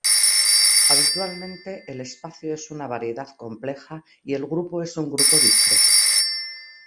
Habitualmente el espacio es una variedad compleja y el grupo es un grupo discreto.